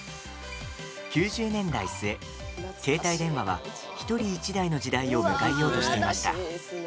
９０年代末、携帯電話は１人１台の時代を迎えようとしていました。